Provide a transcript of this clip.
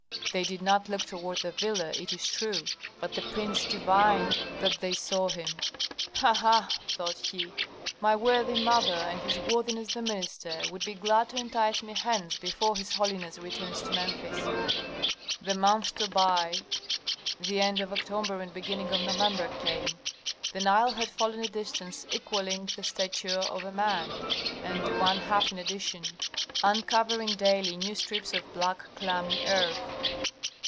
They did not look toward the villa, it is true, but the prince divined that they saw him. "Ha! ha!" thought he. "My worthy mother and his worthiness the minister would be glad to entice me hence before his holiness returns to Memphis." The month Tobi (the end of October and beginning of November) came. The Nile had fallen a distance equalling the stature of a man, and one half in addition, uncovering daily new strips of black clammy earth.